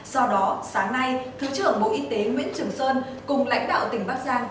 do đó sáng nay thứ trưởng bộ y tế nguyễn trường sơn cùng lãnh đạo tỉnh bắc giang